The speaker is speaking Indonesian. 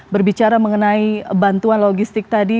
berbicara mengenai bantuan logistik tadi